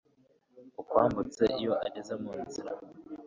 ukwambutse iyo ageze mu nzira